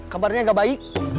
kabarnya gak baik